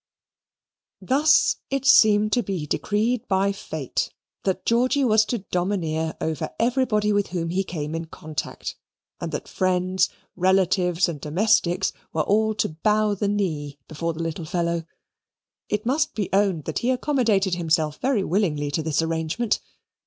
Thus it seemed to be decreed by fate that Georgy was to domineer over everybody with whom he came in contact, and that friends, relatives, and domestics were all to bow the knee before the little fellow. It must be owned that he accommodated himself very willingly to this arrangement.